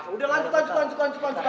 udah lanjut lanjut lanjut